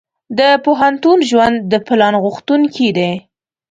د پوهنتون ژوند د پلان غوښتونکی دی.